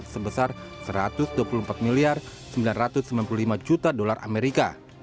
sebesar satu ratus dua puluh empat sembilan ratus sembilan puluh lima juta dolar amerika